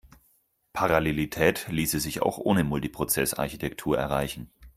Parallelität ließe sich auch ohne Multiprozess-Architektur erreichen.